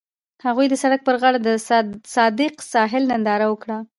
هغوی د سړک پر غاړه د صادق ساحل ننداره وکړه.